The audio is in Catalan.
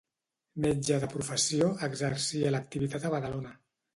Metge de professió, exercia l'activitat a Badalona.